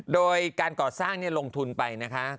โดยการก่อสร้างลงทุนไปนะคะ